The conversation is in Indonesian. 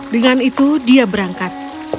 dengan itu dia berangkat